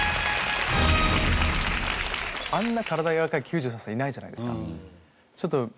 あんな体やわらかい９３歳いないじゃないですか。